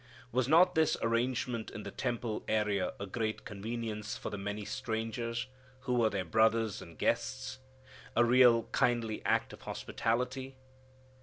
Was not this arrangement in the temple area a great convenience for the many strangers, who were their brothers and guests; a real kindly act of hospitality?